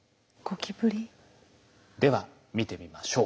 では見てみましょう。